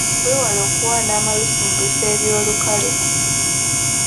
Weewale okuwanda amalusu mu bifo eby'olukale.